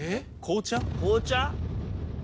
紅茶？